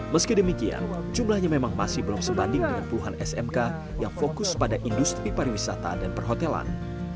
meski demikian jumlahnya memang masih belum sebanding dengan puluhan smk yang fokus pada industri pariwisata dan perhotelan